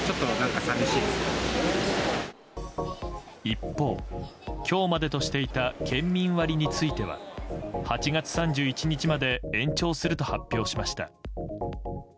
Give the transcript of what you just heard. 一方、今日までとしていた県民割については８月３１日まで延長すると発表しました。